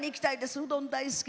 うどん大好き。